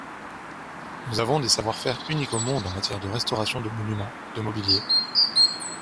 Nous avons des savoir-faire uniques au monde en matière de restauration de monuments, de mobilier.